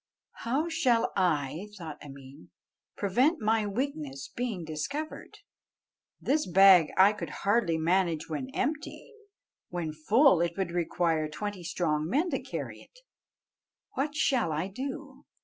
"How shall I," thought Ameen, "prevent my weakness being discovered? This bag I could hardly manage when empty; when full, it would require twenty strong men to carry it; what shall I do?